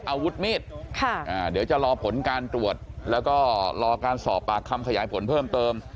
อาวุธมีดเดี๋ยวจะรอผลการตรวจแล้วก็รอการสอบปากคำขยายผลเพิ่มเติม